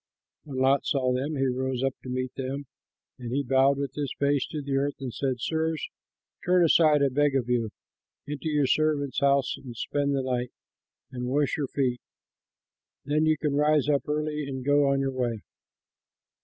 When Lot saw them, he rose up to meet them, and he bowed with his face to the earth and said, "Sirs, turn aside, I beg of you, into your servant's house and spend the night and wash your feet; then you can rise up early and go on your way."